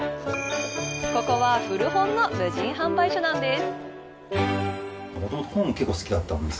ここは古本の無人販売所なんです。